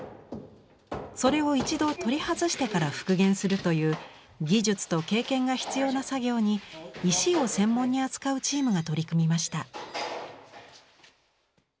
それを一度取り外してから復元するという技術と経験が必要な作業に石を専門に扱うチームが取り組みました。